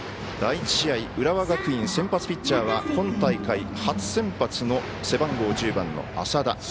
第１試合、浦和学院先発ピッチャーは今大会初先発の背番号１０番の浅田。